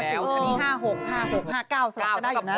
๕๖๕๙เสร็จก็ได้อยู่นะ